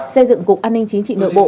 xây dựng cục an ninh chính trị nội bộ